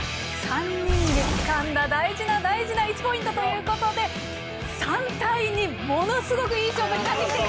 ３人でつかんだ大事な大事な１ポイントということで３対２ものすごくいい勝負になってきています！